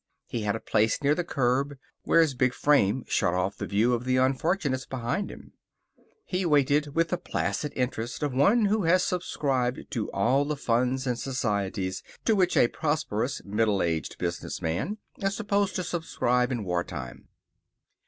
He had a place near the curb, where his big frame shut off the view of the unfortunates behind him. He waited with the placid interest of one who has subscribed to all the funds and societies to which a prosperous, middle aged businessman is called upon to subscribe in war time.